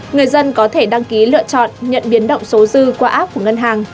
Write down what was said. người dân có thể đăng ký lựa chọn nhận biến động số dư qua app của ngân hàng